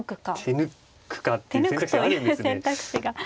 手抜くかっていう選択肢あるんですね。